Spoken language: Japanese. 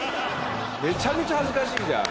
めちゃめちゃ恥ずかしいじゃん。